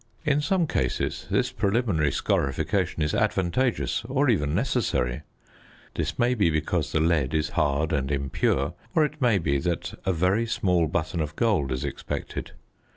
In some cases this preliminary scorification is advantageous or even necessary: this may be because the lead is hard and impure, or it may be that a very small button of gold is expected.